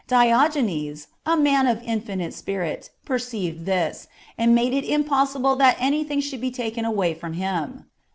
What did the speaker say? Diogenes, a man of infinite spirit, perceived this, and made it impossible that anything should be taken from him.